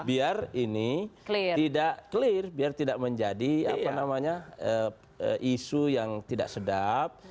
biar ini tidak clear biar tidak menjadi isu yang tidak sedap